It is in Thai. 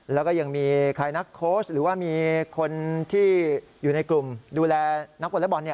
แล้วก็ยังมีใครนักโค้ชหรือว่ามีคนที่อยู่ในกลุ่มดูแลนักวอเล็กบอล